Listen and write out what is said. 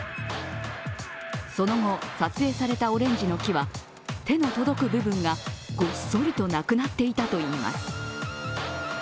その後、撮影されたオレンジの木は手の届く部分がごっそりとなくなっていたといいます。